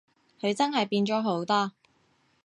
佢真係變咗好多